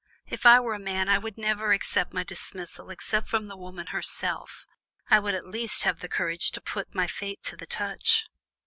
If I were a man, I would never accept my dismissal except from the woman herself; I would at least have the courage to put my fate to the touch."